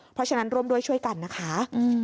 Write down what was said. เพราะฉะนั้นร่วมด้วยช่วยกันนะคะ